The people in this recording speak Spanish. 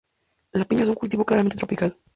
La piña es un cultivo claramente tropical.